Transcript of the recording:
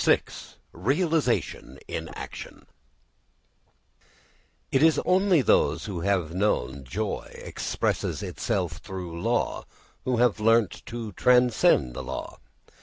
VI REALISATION IN ACTION It is only those who have known that joy expresses itself through law who have learnt to transcend the law.